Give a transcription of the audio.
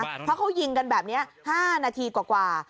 เพราะเขายิงกันแบบนี้๕นาทีกว่า